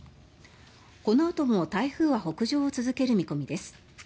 このあとも台風は北上を続ける見込みです。